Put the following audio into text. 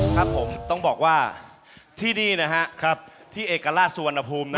ครับผมต้องบอกว่าที่นี่นะฮะที่เอกราชสุวรรณภูมิ